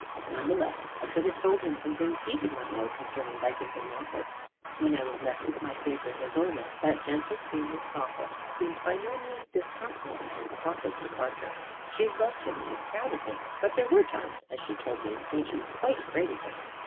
Nevertheless I could have told him some things he did not know concerning lichens and mosses. When I was left with my favourite Isola, that gentle senior sophist seemed by no means disconsolate at her Papa's departure. She loved him and was proud of him, but there were times, as she told me, when she was quite afraid of him.